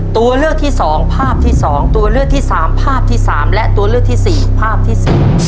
ตัวเลือกที่สองภาพที่๒ตัวเลือกที่สามภาพที่๓และตัวเลือกที่สี่ภาพที่๔